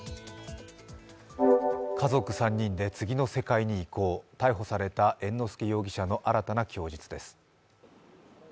家族３人で次の世界に行こう逮捕された猿之助容疑者の新たな供述です。